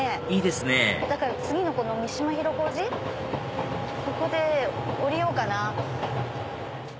いいですねだから次の三島広小路ここで降りようかな。